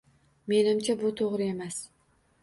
Menimcha, bu to'g'ri emas